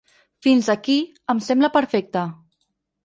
Fins aquí, em sembla perfecte.